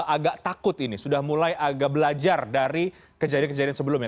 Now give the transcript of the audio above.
agak takut ini sudah mulai agak belajar dari kejadian kejadian sebelumnya